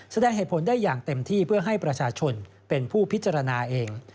แสดงเหตุผลได้อย่างเต็มที่เพื่อให้ประชาชนเป็นผู้พิจารณาเอง